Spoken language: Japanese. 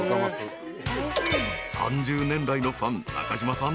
［３０年来のファン中島さん。